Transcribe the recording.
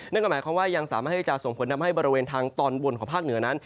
นั่นก็หมายความว่ายังสามารถที่จะส่งผลทำให้บริเวณทางตอนบนของภาคเหนือนั้น